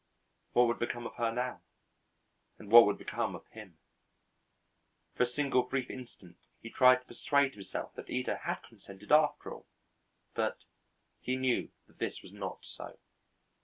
What would become of her now? And what would become of him? For a single brief instant he tried to persuade himself that Ida had consented after all. But he knew that this was not so.